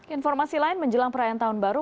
informasi lain menjelang perayaan tahun baru